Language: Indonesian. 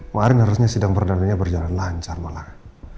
ma rin harusnya sidang perdanaannya berjalan lancar malah